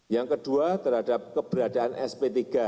yang kedua terhadap keberadaan sp tiga